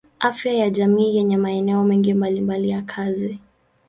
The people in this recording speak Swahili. Afya ya jamii yenye maeneo mengi mbalimbali ya kazi.